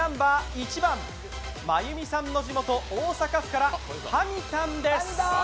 １番真弓さんの地元・大阪市からはにたんです。